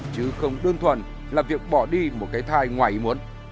chứ không đơn thuần là việc bỏ đi một cái thai ngoài ý muốn